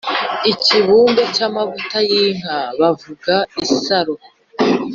Ikibumbe cyamavuta y’inka bavuga isoro